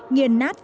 nhiền nát vàng